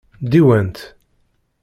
Diwan-t.